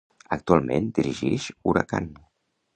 Actualment dirigix Huracán.